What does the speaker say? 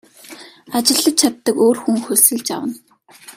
Ажиллаж чаддаг өөр хүн хөлсөлж авна.